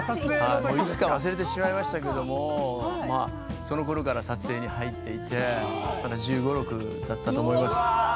いつか忘れてしまいましたけどこのころから撮影に入っていて１５、１６歳だったと思います。